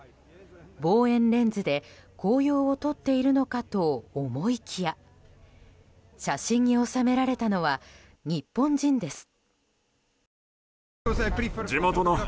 望遠レンズで紅葉を撮っているのかと思いきや写真に収められたのは日本人です。